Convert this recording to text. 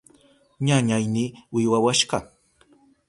Ñañayni wiwawashka.